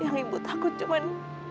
yang ibu takut cuman